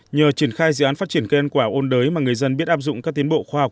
nhờ triển khai dự án phát triển cây ăn quả ôn đới mà người dân biết áp dụng các tiến bộ khoa học